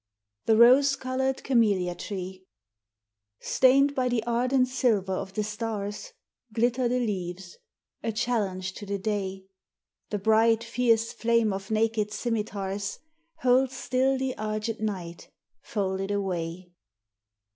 IX The Rose Colored Camelia Tree Stained by the ardent silver of the stars, Glitter the leaves, a challenge to the day The bright, fierce flame of naked scimitars Holds still the argent night, folded away.